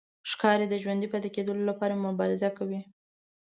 ښکاري د ژوندي پاتې کېدو لپاره مبارزه کوي.